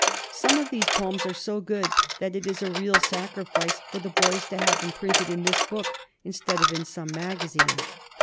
Some of these poems are so good that it is a real sacrifice for the boys to have them printed in this book instead of in some magazine.